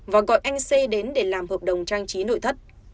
và gọi anh c đến để làm hợp đồng trang trí nội thất